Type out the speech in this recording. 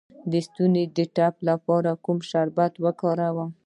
د ستوني د ټپ لپاره کوم شربت وکاروم؟